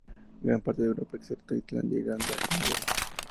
Gran parte de Europa, excepto Islandia, Irlanda y Noruega.